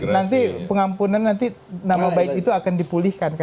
nanti pengampunan nanti nama baik itu akan dipulihkan